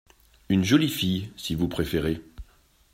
Une jolie fille, si vous préférez…